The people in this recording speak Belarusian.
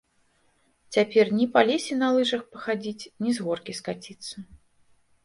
Цяпер ні па лесе на лыжах пахадзіць, ні з горкі скаціцца.